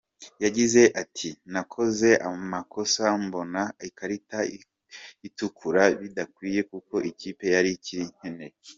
Yagize ati “ Nakoze amakosa mbona ikarita itukura bidakwiye kuko ikipe yari ikinkeneye.